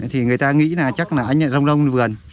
thì người ta nghĩ là chắc là anh ở rong rong vườn